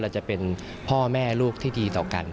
จะเป็นพ่อแม่ลูกที่ดีต่อกัน